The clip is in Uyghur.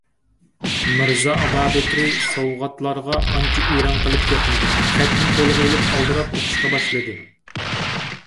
مىرزا ئابابەكرى سوۋغاتلارغا ئانچە ئېرەن قىلىپ كەتمىدى، خەتنى قولىغا ئېلىپ ئالدىراپ ئوقۇشقا باشلىدى.